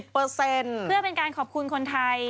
เพื่อเป็นการขอบคุณคนไทย